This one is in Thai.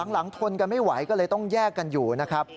หลังทนกันไม่ไหวก็เลยต้องแยกกันอยู่นะครับ